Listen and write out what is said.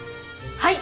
はい！